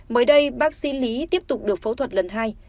mới đây bác sĩ lý tiếp tục được phẫu thuật lần hai